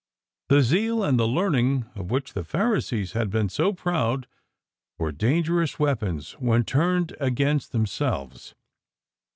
The zeal and the learning of which the Pharisees had been so proud were dangerous weapons when turned against them selves.